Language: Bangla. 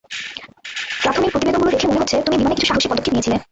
প্রাথমিক প্রতিবেদনগুলো দেখে মনে হচ্ছে, তুমি বিমানে কিছু সাহসী পদক্ষেপ নিয়েছিলে।